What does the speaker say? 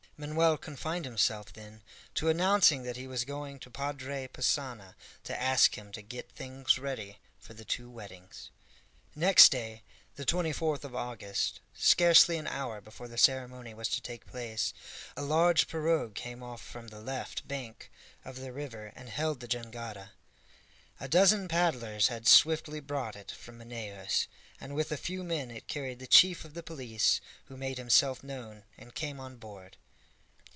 Manoel confined himself, then, to announcing that he was going to Padre Passanha to ask him to get things ready for the two weddings. Next day, the 24th of August, scarcely an hour before the ceremony was to take place, a large pirogue came off from the left bank of the river and hailed the jangada. A dozen paddlers had swiftly brought it from Manaos, and with a few men it carried the chief of the police, who made himself known and came on board.